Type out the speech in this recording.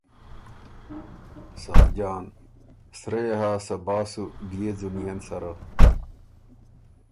ساجان ـــ سرۀ يې هۀ صبا سو بيې ځُنيېن سَرَۀ۔